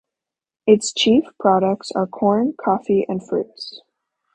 Its chief products are corn, coffee and fruits.